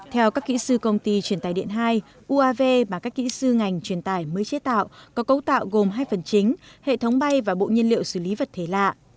theo các kỹ sư công ty truyền tài điện hai uav và các kỹ sư ngành truyền tải mới chế tạo có cấu tạo gồm hai phần chính hệ thống bay và bộ nhiên liệu xử lý vật thể lạ